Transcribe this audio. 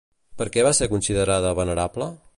Per què va ser considerada venerable?